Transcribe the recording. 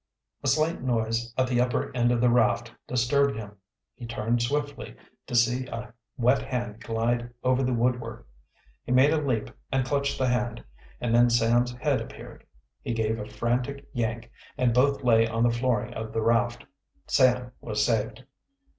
A slight noise at the upper end of the raft disturbed him. He turned swiftly, to see a wet hand glide over the woodwork. He made a leap and clutched the hand, and then Sam's head appeared. He gave a frantic yank, and both lay on the flooring of the raft. Sam was saved.